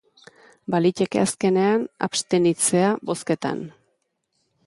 Baliteke azkenean abstenitzea bozketan.